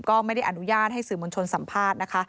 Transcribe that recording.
ก็ไม่ได้อนุญาตให้สื่อมวลชนสัมภาษณ์นะคะ